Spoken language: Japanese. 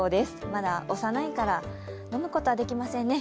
まだ幼いから飲むことはできませんね。